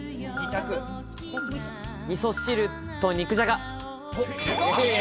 味噌汁と肉じゃが。